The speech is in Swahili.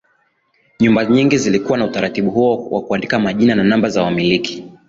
Nyumba nyingi zilikuwa na utaratibu huo wa kuandika majina na namba za wamiliki